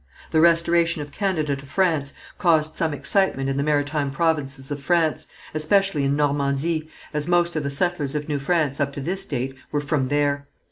The restoration of Canada to France caused some excitement in the maritime provinces of France, especially in Normandy, as most of the settlers of New France up to this date were from there.